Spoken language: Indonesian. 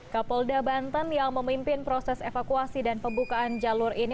kapolda banten yang memimpin proses evakuasi dan pembukaan jalur ini